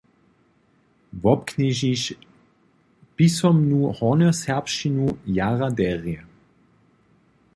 Wobknježiš pisomnu hornjoserbšćinu jara derje.